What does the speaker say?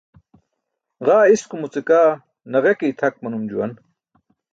Ġaa iskumuce kaa naġe ke itʰak manum juwan.